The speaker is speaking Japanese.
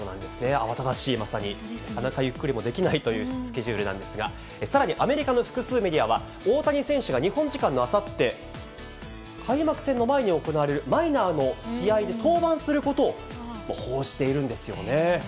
慌ただしい、まさに、なかなかゆっくりもできないというスケジュールなんですが、さらにアメリカの複数メディアは、大谷選手が日本時間のあさって、開幕戦の前に行われるマイナーの試合で登板することを報じているんですよね。